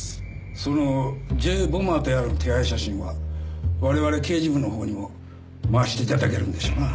そのＪ・ボマーとやらの手配写真は我々刑事部の方にも回して頂けるんでしょうな？